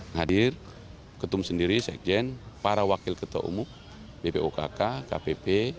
hadir ketum sendiri sekjen para wakil ketua umum bpokk kpp